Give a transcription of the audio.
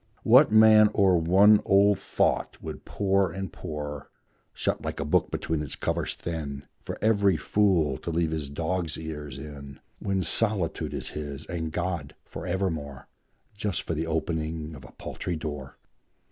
What man o'er one old thought would pore and pore, Shut like a book between its covers thin For every fool to leave his dog's ears in, When solitude is his, and God for evermore, Just for the opening of a paltry door?